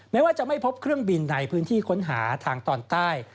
แม้ว่าจะไม่พบเครื่องบินในพื้นที่ค้นหาทางตอนใต้